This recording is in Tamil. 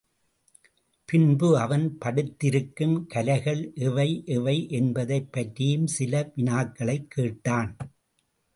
பின்பு அவன் படித்திருக்கும் கலைகள் எவை எவை என்பதைப் பற்றியும் சில வினாக்களைக் கேட்டான்.